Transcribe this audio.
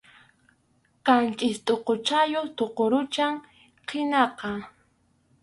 Qanchis tʼuquchayuq tuqurucham qinaqa.